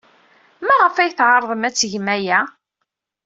Maɣef ay tɛerḍem ad tgem aya?